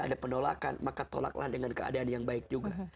dengan keadilan yang baik juga